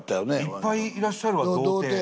いっぱいいらっしゃるわ童亭。